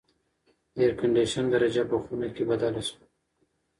د اېرکنډیشن درجه په خونه کې بدله شوه.